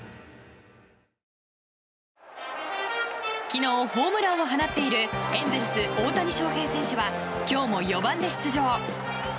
昨日、ホームランを放っているエンゼルス、大谷翔平選手は今日も４番で出場。